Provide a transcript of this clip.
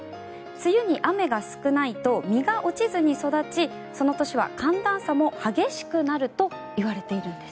梅雨に雨が少ないと実が落ちずに育ちその年は寒暖差も激しくなるといわれているんです。